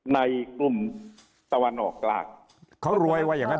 ในกลุ่มตะวันออกกลางเขารวยว่าอย่างนั้น